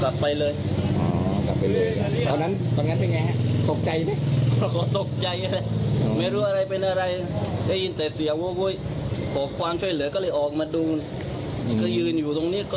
แล้วขอความช่วยเหลือก็เลยออกมาดูก็ยืนอยู่ตรงนี้ก็